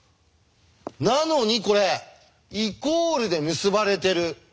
なのにこれイコールで結ばれてる。